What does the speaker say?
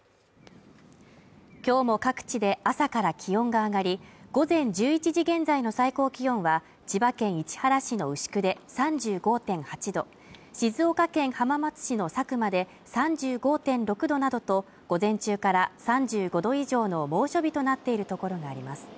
今日も各地で朝から気温が上がり、午前１１時現在の最高気温は、千葉県市原市の牛久で３５．８度静岡県浜松市の佐久間で３５．６度などと午前中から３５度以上の猛暑日となっているところがあります。